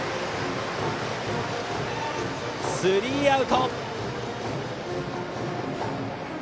スリーアウト！